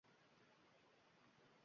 Qanotlari ikki yonga yoyilib ketib